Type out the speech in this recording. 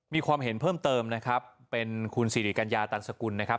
มีความเห็นเพิ่มเติมนะครับเป็นคุณสิริกัญญาตันสกุลนะครับ